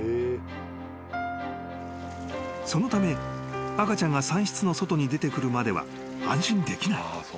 ［そのため赤ちゃんが産室の外に出てくるまでは安心できない］